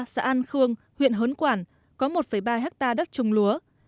xã an khương huyện hớn quản có một ba hectare đất trồng lúa